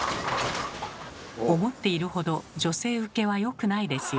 思っているほど女性ウケは良くないですよ。